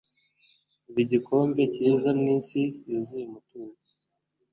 ba igikombe cyiza mwisi yuzuye umutuzo